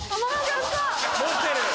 持ってる！